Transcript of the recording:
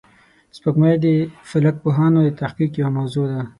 سپوږمۍ د فلک پوهانو د تحقیق یوه موضوع ده